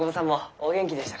お元気でしたか？